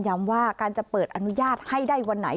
ว่าการจะเปิดอนุญาตให้ได้วันไหน